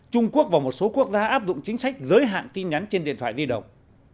trung quốc và một số quốc gia áp dụng chính sách giới hạn tin nhắn trên điện thoại di động